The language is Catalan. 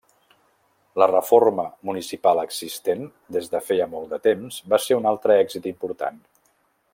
La reforma municipal existent des de feia molt temps va ser un altre èxit important.